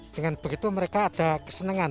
dengan begitu mereka ada kesenengan